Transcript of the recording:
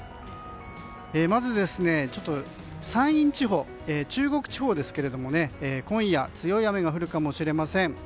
まず、山陰地方、中国地方ですが今夜、強い雨が降るかもしれません。